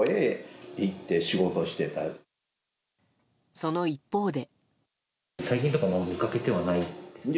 その一方で。